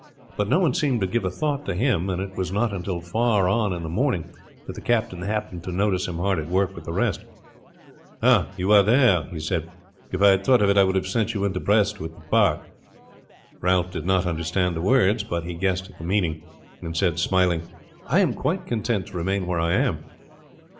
But no one seemed to give a thought to him, and it was not until far on in the morning that the captain happened to notice him hard at work with the rest. "Ah, are you there?" he said. "If I had thought of it I should have sent you into Best in the bark." Ralph did not understand the words but he guessed at the meaning, and said, smiling, "I am quite content to remain where I am."